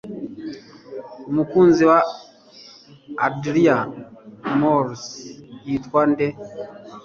Umukunzi wa Adrian Moles yitwa nde?